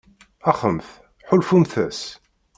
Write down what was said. Axemt, ḥulfumt-as.